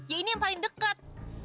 ya ini yang paling dekat